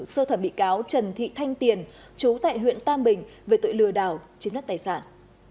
sơ thẩm bị cáo trần thị thanh tiền chú tại huyện tam bình về tội lừa đảo chiếm đất tài sản